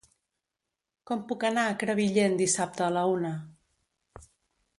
Com puc anar a Crevillent dissabte a la una?